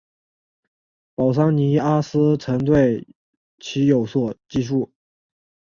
保桑尼阿斯曾对其有所记述。